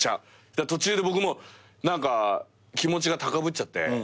途中で僕も気持ちが高ぶっちゃって「Ｔ！」